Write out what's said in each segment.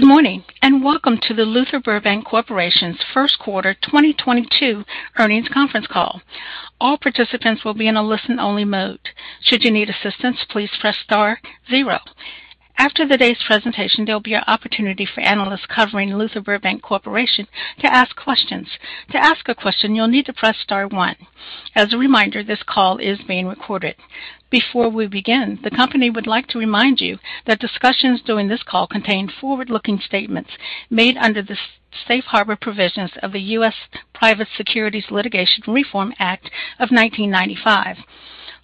Good morning, and welcome to the Luther Burbank Corporation's first quarter 2022 earnings conference call. All participants will be in a listen-only mode. Should you need assistance, please press star zero. After today's presentation, there'll be an opportunity for analysts covering Luther Burbank Corporation to ask questions. To ask a question, you'll need to press star one. As a reminder, this call is being recorded. Before we begin, the company would like to remind you that discussions during this call contain forward-looking statements made under the safe harbor provisions of the U.S. Private Securities Litigation Reform Act of 1995.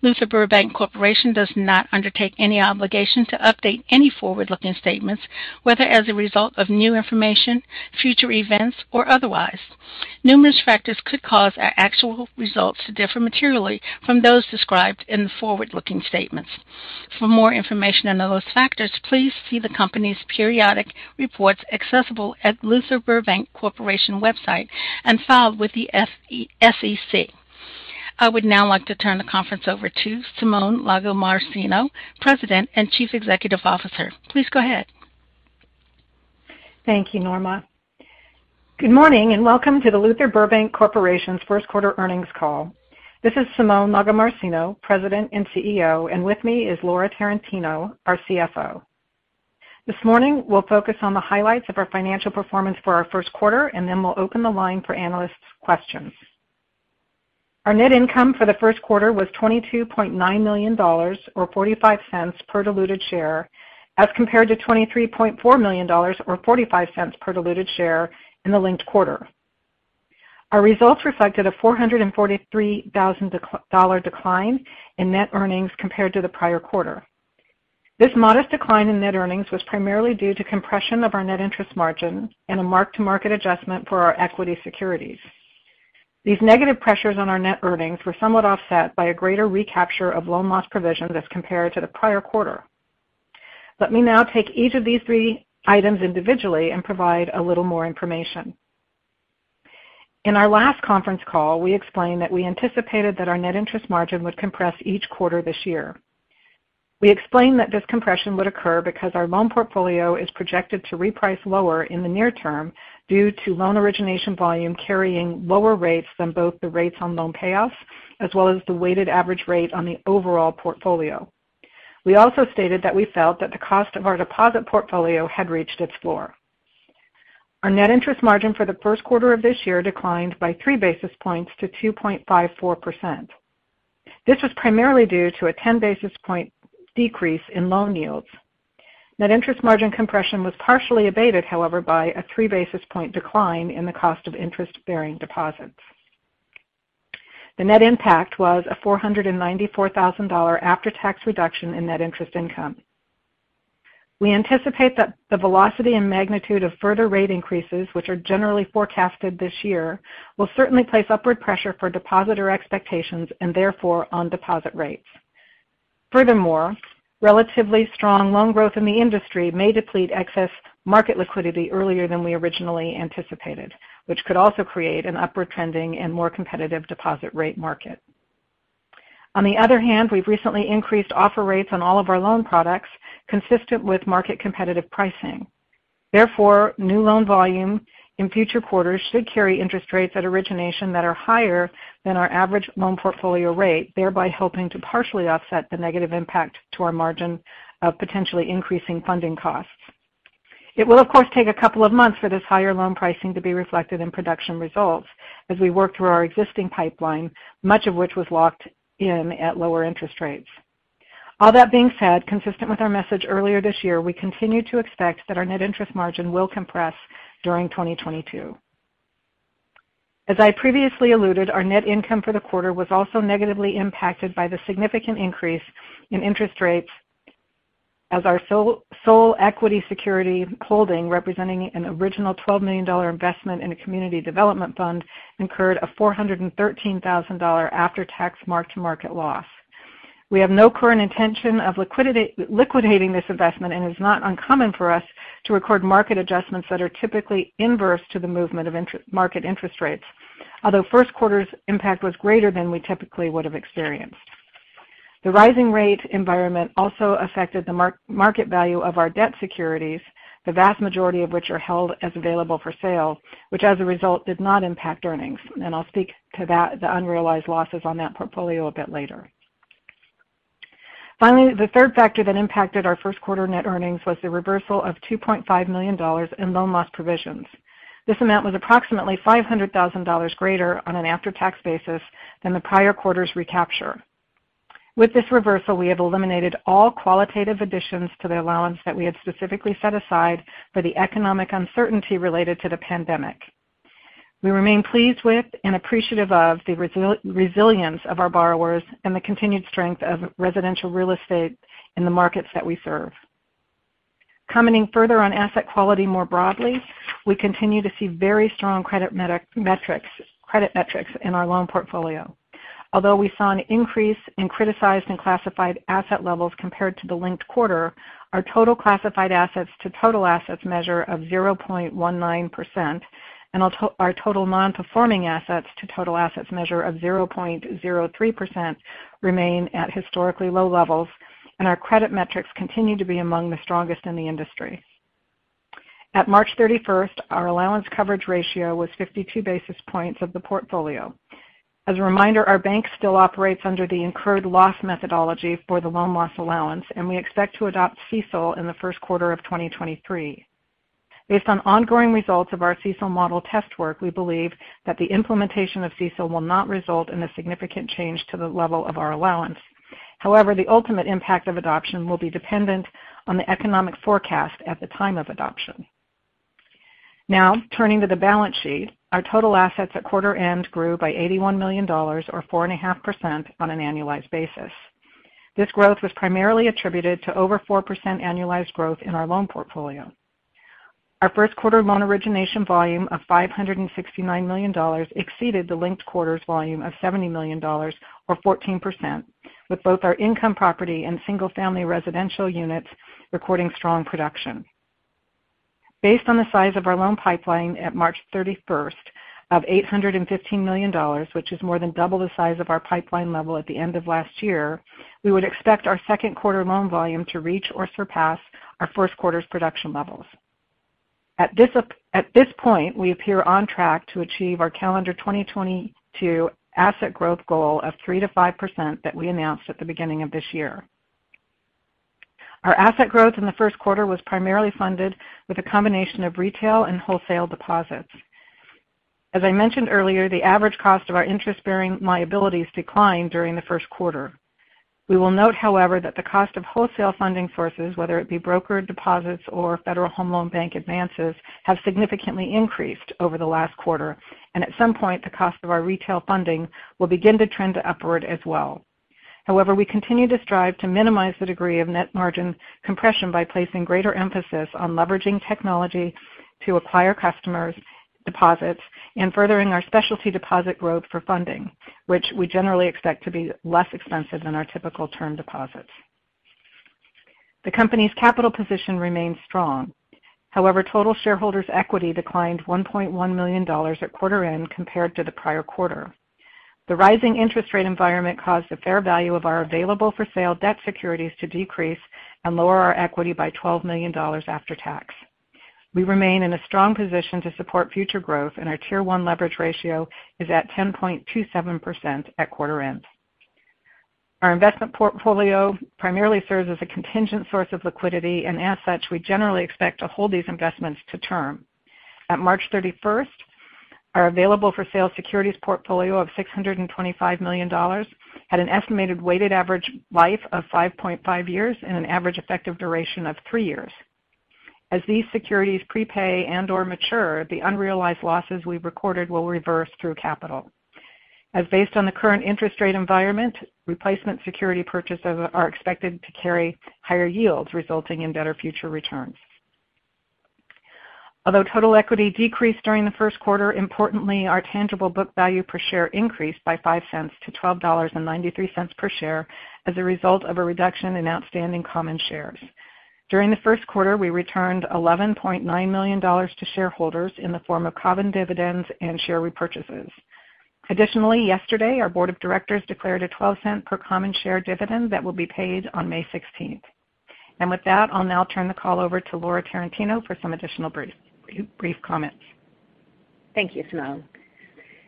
Luther Burbank Corporation does not undertake any obligation to update any forward-looking statements, whether as a result of new information, future events, or otherwise. Numerous factors could cause our actual results to differ materially from those described in the forward-looking statements. For more information on those factors, please see the company's periodic reports accessible at Luther Burbank Corporation website and filed with the SEC. I would now like to turn the conference over to Simone Lagomarsino, President and Chief Executive Officer. Please go ahead. Thank you, Norma. Good morning, and welcome to the Luther Burbank Corporation's first quarter earnings call. This is Simone Lagomarsino, President and CEO, and with me is Laura Tarantino, our CFO. This morning, we'll focus on the highlights of our financial performance for our first quarter, and then we'll open the line for analysts' questions. Our net income for the first quarter was $22.9 million or $0.45 per diluted share, as compared to $23.4 million or $0.45 per diluted share in the linked quarter. Our results reflected a $443,000 decline in net earnings compared to the prior quarter. This modest decline in net earnings was primarily due to compression of our net interest margin and a mark-to-market adjustment for our equity securities. These negative pressures on our net earnings were somewhat offset by a greater recapture of loan loss provisions as compared to the prior quarter. Let me now take each of these three items individually and provide a little more information. In our last conference call, we explained that we anticipated that our net interest margin would compress each quarter this year. We explained that this compression would occur because our loan portfolio is projected to reprice lower in the near term due to loan origination volume carrying lower rates than both the rates on loan payoffs, as well as the weighted average rate on the overall portfolio. We also stated that we felt that the cost of our deposit portfolio had reached its floor. Our net interest margin for the first quarter of this year declined by 3 basis points to 2.54%. This was primarily due to a 10 basis point decrease in loan yields. Net interest margin compression was partially abated, however, by a 3 basis point decline in the cost of interest-bearing deposits. The net impact was a $494,000 after-tax reduction in net interest income. We anticipate that the velocity and magnitude of further rate increases, which are generally forecasted this year, will certainly place upward pressure for depositor expectations and therefore on deposit rates. Furthermore, relatively strong loan growth in the industry may deplete excess market liquidity earlier than we originally anticipated, which could also create an upward trending and more competitive deposit rate market. On the other hand, we've recently increased offer rates on all of our loan products consistent with market competitive pricing. Therefore, new loan volume in future quarters should carry interest rates at origination that are higher than our average loan portfolio rate, thereby helping to partially offset the negative impact to our margin of potentially increasing funding costs. It will of course take a couple of months for this higher loan pricing to be reflected in production results as we work through our existing pipeline, much of which was locked in at lower interest rates. All that being said, consistent with our message earlier this year, we continue to expect that our net interest margin will compress during 2022. As I previously alluded, our net income for the quarter was also negatively impacted by the significant increase in interest rates as our sole equity security holding, representing an original $12 million investment in a community development fund, incurred a $413,000 after-tax mark-to-market loss. We have no current intention of liquidating this investment, and it's not uncommon for us to record market adjustments that are typically inverse to the movement of market interest rates. Although first quarter's impact was greater than we typically would have experienced. The rising rate environment also affected the mark-to-market value of our debt securities, the vast majority of which are held as available for sale, which as a result did not impact earnings. I'll speak to that, the unrealized losses on that portfolio a bit later. Finally, the third factor that impacted our first quarter net earnings was the reversal of $2.5 million in loan loss provisions. This amount was approximately $500,000 greater on an after-tax basis than the prior quarter's recapture. With this reversal, we have eliminated all qualitative additions to the allowance that we had specifically set aside for the economic uncertainty related to the pandemic. We remain pleased with and appreciative of the resilience of our borrowers and the continued strength of residential real estate in the markets that we serve. Commenting further on asset quality more broadly, we continue to see very strong credit metrics in our loan portfolio. Although we saw an increase in criticized and classified asset levels compared to the linked quarter, our total classified assets to total assets measure of 0.19% and our total nonperforming assets to total assets measure of 0.03% remain at historically low levels, and our credit metrics continue to be among the strongest in the industry. At March 31st, our allowance coverage ratio was 52 basis points of the portfolio. As a reminder, our bank still operates under the incurred loss methodology for the loan loss allowance, and we expect to adopt CECL in the first quarter of 2023. Based on ongoing results of our CECL model test work, we believe that the implementation of CECL will not result in a significant change to the level of our allowance. However, the ultimate impact of adoption will be dependent on the economic forecast at the time of adoption. Now turning to the balance sheet. Our total assets at quarter end grew by $81 million or 4.5% on an annualized basis. This growth was primarily attributed to over 4% annualized growth in our loan portfolio. Our first quarter loan origination volume of $569 million exceeded the linked quarters volume of $70 million or 14%, with both our income property and single-family residential units recording strong production. Based on the size of our loan pipeline at March 31st of $815 million, which is more than double the size of our pipeline level at the end of last year, we would expect our second quarter loan volume to reach or surpass our first quarter's production levels. At this point, we appear on track to achieve our calendar 2022 asset growth goal of 3%-5% that we announced at the beginning of this year. Our asset growth in the first quarter was primarily funded with a combination of retail and wholesale deposits. As I mentioned earlier, the average cost of our interest-bearing liabilities declined during the first quarter. We will note, however, that the cost of wholesale funding sources, whether it be brokered deposits or Federal Home Loan Bank advances, have significantly increased over the last quarter. At some point, the cost of our retail funding will begin to trend upward as well. However, we continue to strive to minimize the degree of net margin compression by placing greater emphasis on leveraging technology to acquire customers' deposits and furthering our specialty deposit growth for funding, which we generally expect to be less expensive than our typical term deposits. The company's capital position remains strong. However, total shareholders' equity declined $1.1 million at quarter end compared to the prior quarter. The rising interest rate environment caused the fair value of our available-for-sale debt securities to decrease and lower our equity by $12 million after tax. We remain in a strong position to support future growth, and our Tier 1 leverage ratio is at 10.27% at quarter end. Our investment portfolio primarily serves as a contingent source of liquidity, and as such, we generally expect to hold these investments to term. As of March 31, our available-for-sale securities portfolio of $625 million had an estimated weighted average life of 5.5 years and an average effective duration of 3 years. As these securities prepay and/or mature, the unrealized losses we've recorded will reverse through capital. And based on the current interest rate environment, replacement security purchases are expected to carry higher yields, resulting in better future returns. Although total equity decreased during the first quarter, importantly, our tangible book value per share increased by $0.05 to $12.93 per share as a result of a reduction in outstanding common shares. During the first quarter, we returned $11.9 million to shareholders in the form of common dividends and share repurchases. Additionally, yesterday, our board of directors declared a 12-cent per common share dividend that will be paid on May 16. With that, I'll now turn the call over to Laura Tarantino for some additional brief comments. Thank you, Simone.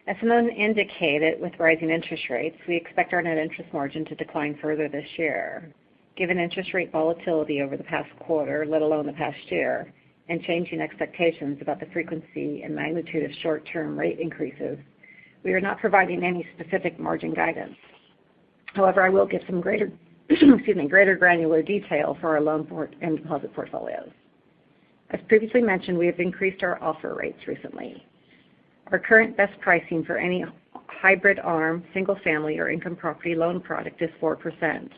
As Simone indicated, with rising interest rates, we expect our net interest margin to decline further this year. Given interest rate volatility over the past quarter, let alone the past year, and changing expectations about the frequency and magnitude of short-term rate increases, we are not providing any specific margin guidance. However, I will give some greater granular detail for our loan portfolio and deposit portfolios. As previously mentioned, we have increased our offer rates recently. Our current best pricing for any hybrid ARM single family or income property loan product is 4%.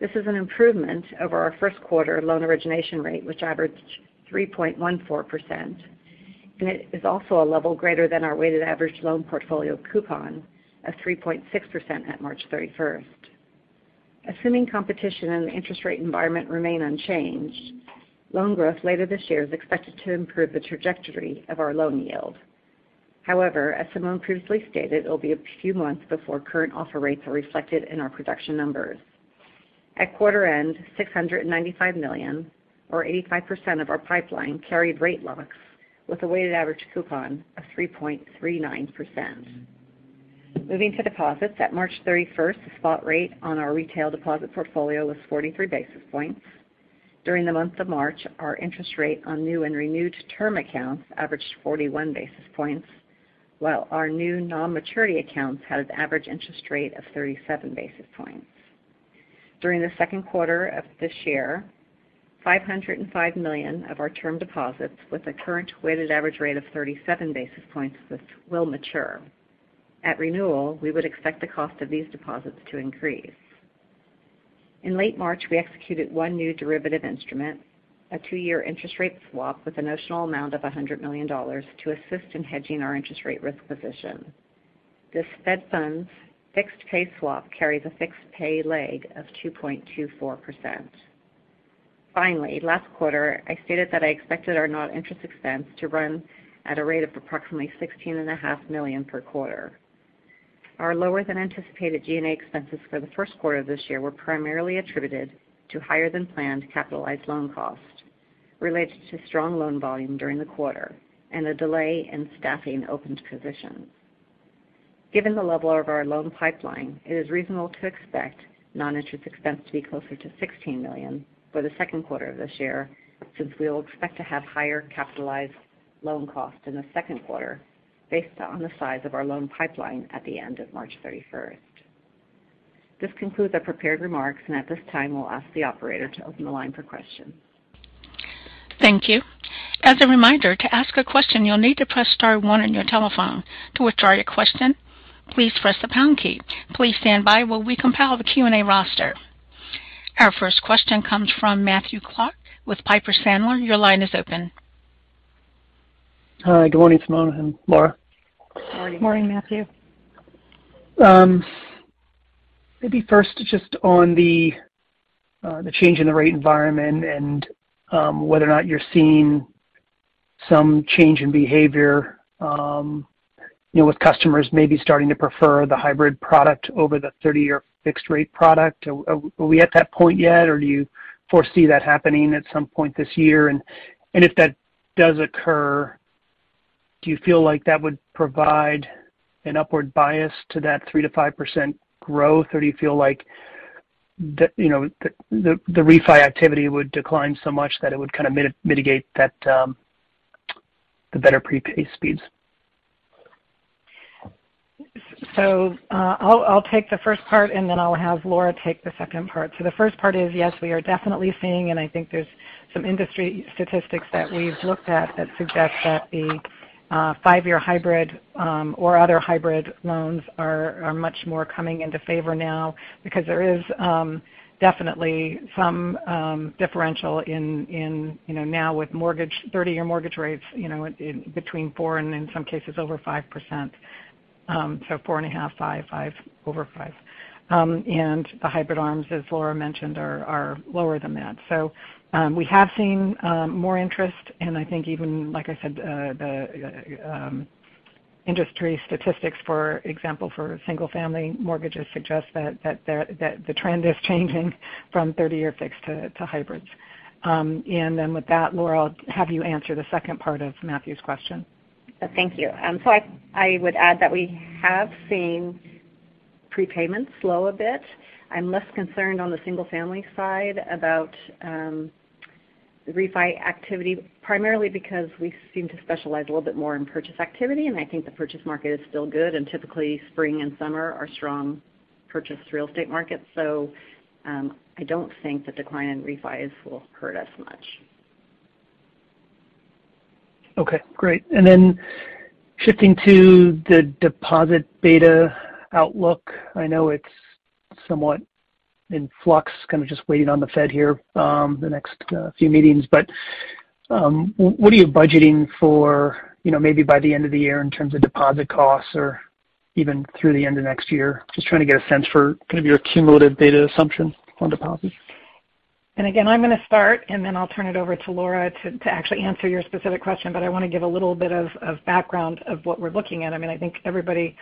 This is an improvement over our first quarter loan origination rate, which averaged 3.14%, and it is also a level greater than our weighted average loan portfolio coupon of 3.6% at March 31st. Assuming competition and the interest rate environment remain unchanged, loan growth later this year is expected to improve the trajectory of our loan yield. However, as Simone previously stated, it'll be a few months before current offer rates are reflected in our production numbers. At quarter end, $695 million or 85% of our pipeline carried rate locks with a weighted average coupon of 3.39%. Moving to deposits. At March 31, the spot rate on our retail deposit portfolio was 43 basis points. During the month of March, our interest rate on new and renewed term accounts averaged 41 basis points, while our new non-maturity accounts had an average interest rate of 37 basis points. During the second quarter of this year, $505 million of our term deposits with a current weighted average rate of 37 basis points will mature. At renewal, we would expect the cost of these deposits to increase. In late March, we executed one new derivative instrument, a two-year interest rate swap with a notional amount of $100 million to assist in hedging our interest rate risk position. This Fed funds fixed pay swap carries a fixed pay leg of 2.24%. Finally, last quarter, I stated that I expected our non-interest expense to run at a rate of approximately $16.5 million per quarter. Our lower than anticipated G&A expenses for the first quarter of this year were primarily attributed to higher than planned capitalized loan costs related to strong loan volume during the quarter and a delay in staffing opened positions. Given the level of our loan pipeline, it is reasonable to expect non-interest expense to be closer to $16 million for the second quarter of this year, since we will expect to have higher capitalized loan costs in the second quarter based on the size of our loan pipeline at the end of March 31st. This concludes our prepared remarks, and at this time, we'll ask the operator to open the line for questions. Thank you. As a reminder, to ask a question, you'll need to press star one on your telephone. To withdraw your question, please press the pound key. Please stand by while we compile the Q&A roster. Our first question comes from Matthew Clark with Piper Sandler. Your line is open. Hi, good morning, Simone and Laura. Morning. Morning, Matthew. Maybe first just on the change in the rate environment and whether or not you're seeing some change in behavior, you know, with customers maybe starting to prefer the hybrid product over the 30-year fixed-rate product. Are we at that point yet? Or do you foresee that happening at some point this year? If that does occur, do you feel like that would provide an upward bias to that 3%-5% growth? Or do you feel like the refi activity would decline so much that it would kind of mitigate the better prepay speeds? I'll take the first part, and then I'll have Laura take the second part. The first part is, yes, we are definitely seeing, and I think there's some industry statistics that we've looked at that suggest that the 5-year hybrid or other hybrid loans are much more coming into favor now because there is definitely some differential in, you know, now with mortgage 30-year mortgage rates, you know, between 4% and in some cases over 5%. 4.5%, 5%, over 5%. The hybrid ARMs, as Laura mentioned, are lower than that. We have seen more interest. I think even, like I said, the industry statistics, for example, for single-family mortgages suggest that the trend is changing from 30-year fixed to hybrids. With that, Laura, I'll have you answer the second part of Matthew's question. Thank you. I would add that we have seen prepayments slow a bit. I'm less concerned on the single family side about refi activity, primarily because we seem to specialize a little bit more in purchase activity, and I think the purchase market is still good. Typically, spring and summer are strong purchase real estate markets. I don't think the decline in refis will hurt us much. Okay, great. Shifting to the deposit beta outlook. I know it's somewhat in flux, kind of just waiting on the Fed here, the next few meetings. What are you budgeting for, you know, maybe by the end of the year in terms of deposit costs or even through the end of next year? Just trying to get a sense for kind of your cumulative beta assumption on deposits. Again, I'm gonna start, and then I'll turn it over to Laura to actually answer your specific question. I wanna give a little bit of background of what we're looking at. I mean, I think everybody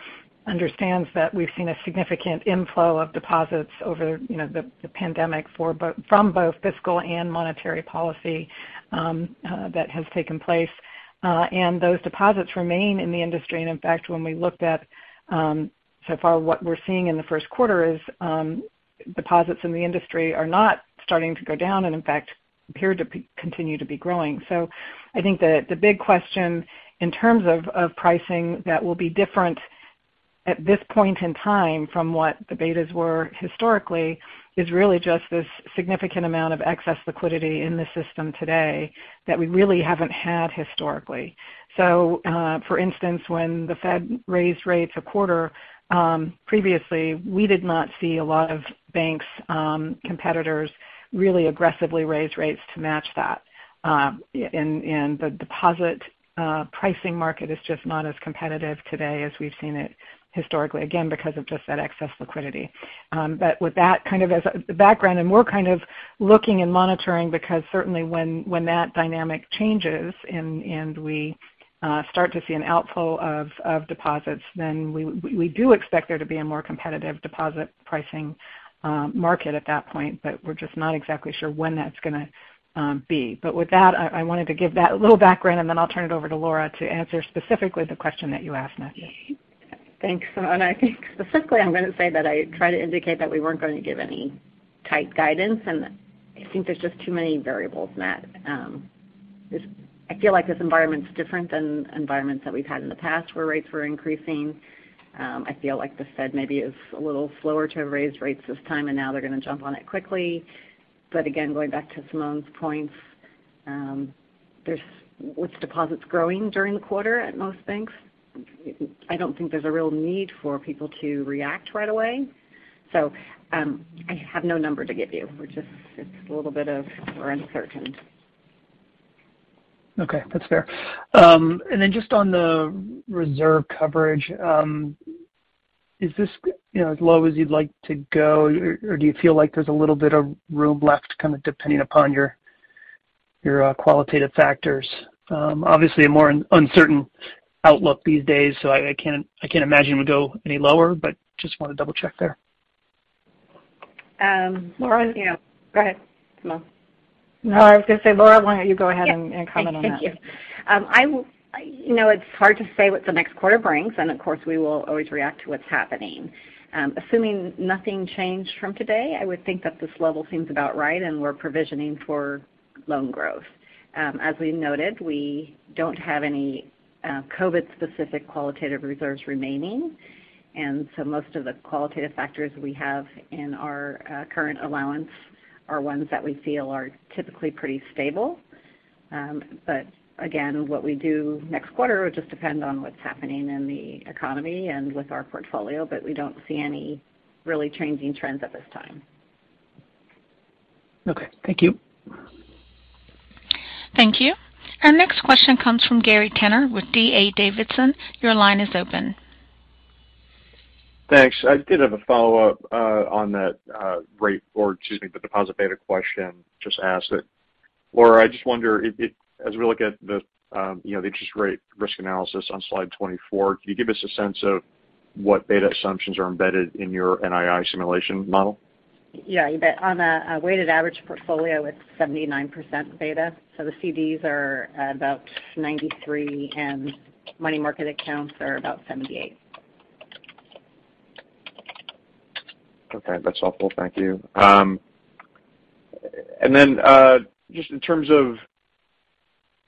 understands that we've seen a significant inflow of deposits over you know the pandemic from both fiscal and monetary policy that has taken place. Those deposits remain in the industry. In fact, when we looked at so far what we're seeing in the first quarter is deposits in the industry are not starting to go down, and in fact, appear to continue to be growing. I think the big question in terms of pricing that will be different at this point in time from what the betas were historically is really just this significant amount of excess liquidity in the system today that we really haven't had historically. For instance, when the Fed raised rates a quarter, previously, we did not see a lot of banks competitors really aggressively raise rates to match that. And the deposit pricing market is just not as competitive today as we've seen it historically, again, because of just that excess liquidity. With that kind of as background and more kind of looking and monitoring because certainly when that dynamic changes and we start to see an outflow of deposits, then we do expect there to be a more competitive deposit pricing market at that point, but we're just not exactly sure when that's gonna be. With that, I wanted to give that a little background, and then I'll turn it over to Laura to answer specifically the question that you asked, Matthew. Thanks, Simone. I think specifically I'm gonna say that I try to indicate that we weren't going to give any tight guidance, and I think there's just too many variables in that. I feel like this environment's different than environments that we've had in the past where rates were increasing. I feel like the Fed maybe is a little slower to have raised rates this time, and now they're gonna jump on it quickly. But again, going back to Simone's points, there's with deposits growing during the quarter at most banks, I don't think there's a real need for people to react right away. So, I have no number to give you. We're just it's a little bit of we're uncertain. Okay. That's fair. Then just on the reserve coverage, is this, you know, as low as you'd like to go or do you feel like there's a little bit of room left kind of depending upon your qualitative factors? Obviously a more uncertain outlook these days, so I can't imagine it would go any lower, but just wanna double-check there. Laura. Yeah. Go ahead, Simone. No, I was gonna say, Laura, why don't you go ahead and comment on that? Yeah. Thank you. You know, it's hard to say what the next quarter brings, and of course we will always react to what's happening. Assuming nothing changed from today, I would think that this level seems about right and we're provisioning for loan growth. As we noted, we don't have any COVID specific qualitative reserves remaining, and so most of the qualitative factors we have in our current allowance are ones that we feel are typically pretty stable. Again, what we do next quarter will just depend on what's happening in the economy and with our portfolio, but we don't see any really changing trends at this time. Okay. Thank you. Thank you. Our next question comes from Gary Tenner with D.A. Davidson & Co. Your line is open. Thanks. I did have a follow-up on that, excuse me, the deposit beta question just asked it. Laura, I just wonder if it, as we look at the, you know, the interest rate risk analysis on slide 24, can you give us a sense of what beta assumptions are embedded in your NII simulation model? Yeah. On a weighted average portfolio, it's 79% beta. The CDs are about 93% and money market accounts are about 78%. Okay. That's helpful. Thank you. Just in terms of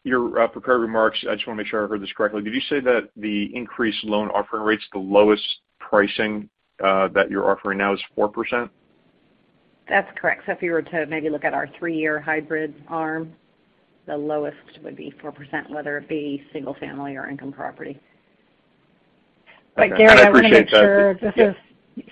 your prepared remarks, I just wanna make sure I heard this correctly. Did you say that the increased loan offering rates, the lowest pricing that you're offering now is 4%? That's correct. If you were to maybe look at our 3-year hybrid ARM, the lowest would be 4%, whether it be single family or income property. Okay. I appreciate that. Gary, I wanna make sure. This is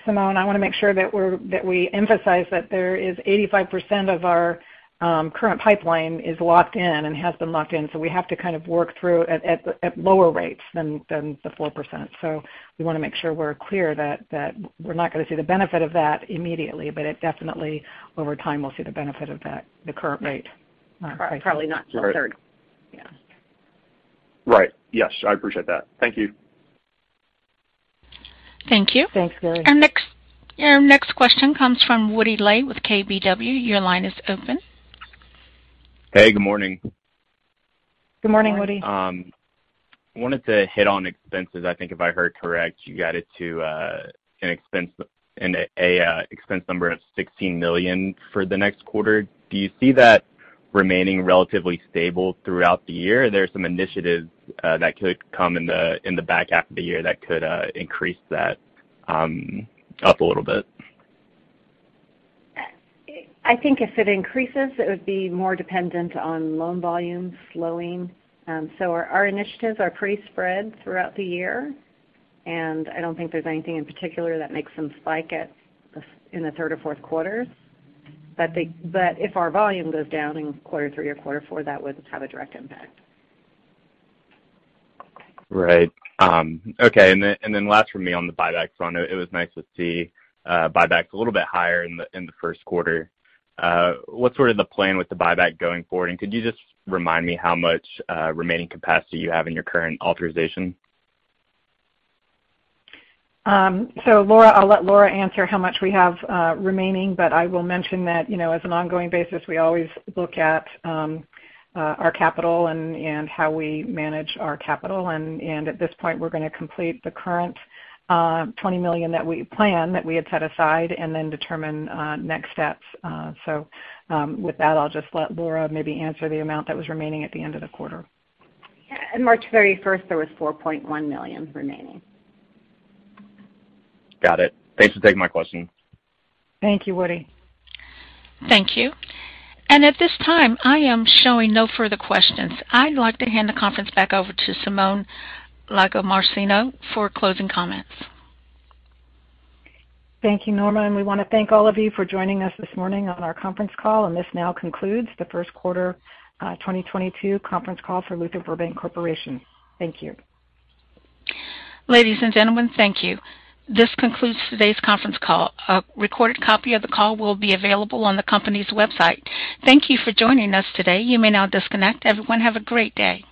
Simone. I wanna make sure that we emphasize that there is 85% of our current pipeline is locked in and has been locked in, so we have to kind of work through at lower rates than the 4%. We wanna make sure we're clear that we're not gonna see the benefit of that immediately, but it definitely over time we'll see the benefit of that, the current rate. Probably not till third. Yeah. Right. Yes. I appreciate that. Thank you. Thank you. Thanks, Gary. Our next question comes from Woody Lay with KBW. Your line is open. Hey, good morning. Good morning, Woody. Wanted to hit on expenses. I think if I heard correct, you got it to an expense number of $16 million for the next quarter. Do you see that remaining relatively stable throughout the year? Are there some initiatives that could come in the back half-of-the-year that could increase that up a little bit? I think if it increases, it would be more dependent on loan volume slowing. Our initiatives are pretty spread throughout the year, and I don't think there's anything in particular that makes them spike in the third or fourth quarters. If our volume goes down in quarter three or quarter four, that would have a direct impact. Right. Okay. Last for me on the buyback front, it was nice to see buyback a little bit higher in the first quarter. What's sort of the plan with the buyback going forward? Could you just remind me how much remaining capacity you have in your current authorization? Laura, I'll let Laura answer how much we have remaining, but I will mention that, you know, as an ongoing basis, we always look at our capital and how we manage our capital. At this point, we're gonna complete the current $20 million that we planned, that we had set aside and then determine next steps. With that, I'll just let Laura maybe answer the amount that was remaining at the end of the quarter. Yeah. In March, very first, there was $4.1 million remaining. Got it. Thanks for taking my question. Thank you, Woody. Thank you. At this time, I am showing no further questions. I'd like to hand the conference back over to Simone Lagomarsino for closing comments. Thank you, Norma, and we wanna thank all of you for joining us this morning on our conference call. This now concludes the first quarter 2022 conference call for Luther Burbank Corporation. Thank you. Ladies and gentlemen, thank you. This concludes today's conference call. A recorded copy of the call will be available on the company's website. Thank you for joining us today. You may now disconnect. Everyone, have a great day.